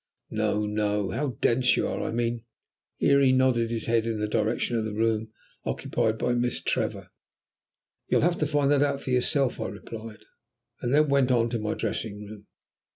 "No, no; how dense you are; I mean " Here he nodded his head in the direction of the room occupied by Miss Trevor. "You'll have to find out that for yourself," I replied, and then went on to my dressing room.